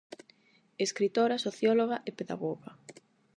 Escritora, socióloga e pedagoga.